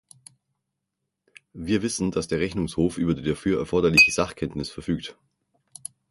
Wir wissen, dass der Rechnungshof über die dafür erforderliche Sachkenntnis verfügt.